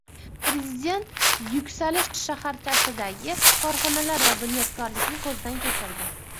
Prezident “Yuksalish” shaharchasidagi korxonalar va bunyodkorlikni ko‘zdan kechirdi